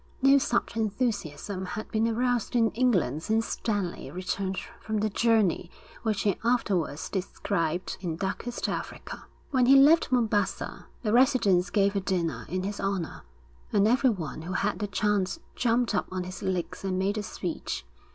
No such enthusiasm had been aroused in England since Stanley returned from the journey which he afterwards described in Darkest Africa. When he left Mombassa the residents gave a dinner in his honour, and everyone who had the chance jumped up on his legs and made a speech.